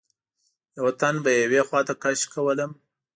یوه تن به یوې خواته کش کولم.